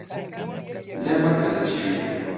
لێم مەپرسە چی بوو.